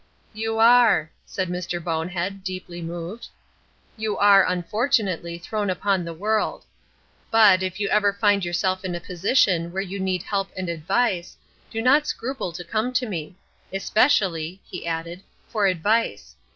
"You are," said Mr. Bonehead, deeply moved. "You are, unfortunately, thrown upon the world. But, if you ever find yourself in a position where you need help and advice, do not scruple to come to me. Especially," he added, "for advice.